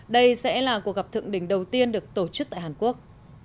đây sẽ là cuộc gặp thượng đỉnh đầu tiên được tổ chức tại hàn quốc